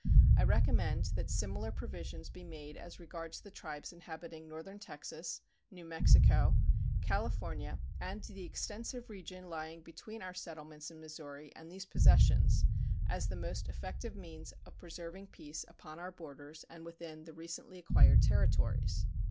I recommend that similar provisions be made as regards the tribes inhabiting northern Texas, New Mexico, California, and the extensive region lying between our settlements in Missouri and these possessions, as the most effective means of preserving peace upon our borders and within the recently acquired territories.